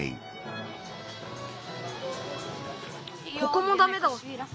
ここもダメだ。